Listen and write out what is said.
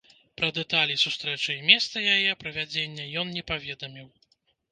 Пра дэталі сустрэчы і месца яе правядзення ён не паведаміў.